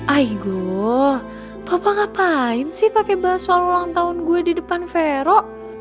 aigo papa ngapain sih pake bahas soal ulang tahun gue di depan vero